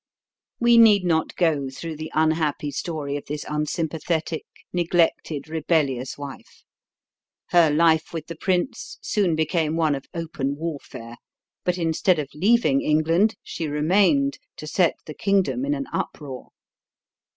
We need not go through the unhappy story of this unsympathetic, neglected, rebellious wife. Her life with the prince soon became one of open warfare; but instead of leaving England she remained to set the kingdom in an uproar.